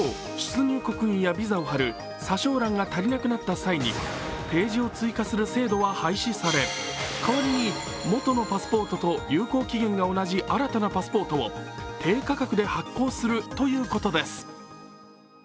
一方、出入国印やビザを貼る査証欄が足りなくなった際にページを追加する制度は廃止され、代わりに元のパスポートと有効期限が同じ新たなパスポートを低価格で発行するということです。